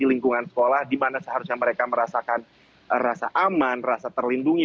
lingkungan sekolah di mana seharusnya mereka merasakan rasa aman rasa terlindungi